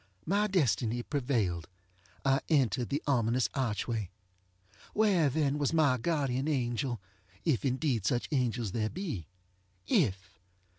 My destiny prevailed. I entered the ominous archway. Where then was my guardian angel? ŌĆöif indeed such angels there be. If!